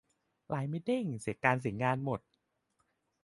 ไลน์ไม่เด้ง เสียงานเสียการหมด